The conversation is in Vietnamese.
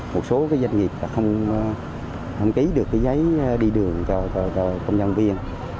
một số doanh nghiệp không ký được cái giấy đi đường cho công nhân viên